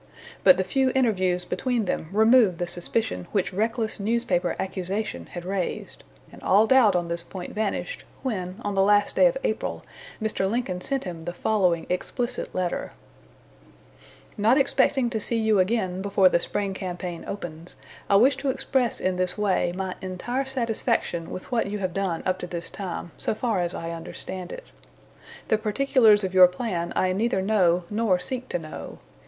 But the few interviews between them removed the suspicion which reckless newspaper accusation had raised; and all doubt on this point vanished, when, on the last day of April, Mr. Lincoln sent him the following explicit letter: "Not expecting to see you again before the spring campaign opens, I wish to express in this way my entire satisfaction with what you have done up to this time, so far as I understand it. The particulars of your plan I neither know nor seek to know.